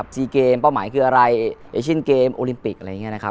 สีเกมป้อหมายคืออะไรเอเชียนเกมโอลิมปิกอะไรแบบนี้